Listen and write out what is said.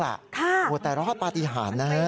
คุณตื่นพีชกูแต่รอบปฏิหารนะ